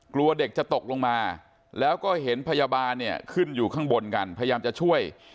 กลัวเด็กจะตกลงมาแล้วก็เห็นพยาบาลเนี่ยขึ้นอยู่ข้างบนกันพยายามจะช่วย